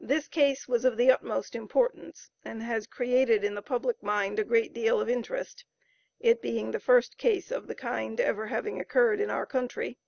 This case was of the utmost importance, and has created in the public mind a great deal of interest it being the first case of the kind ever having occurred in our country.